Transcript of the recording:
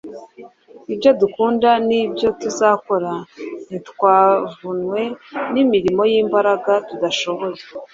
ibyo dukunda n’ibyo tuzakora. Ntitwavunwe n’imirimo y’imbaraga tudashoboye,